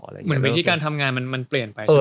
เหมือนวิธีการทำงานมันเปลี่ยนไปใช่ไหม